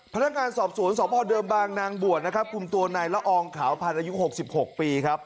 พนักการสอบศูนย์สอบพอร์เดิมบางนางบ่วนคุมตัวนายเหล้าองขาวภัณฑ์อายุ๖๖ปี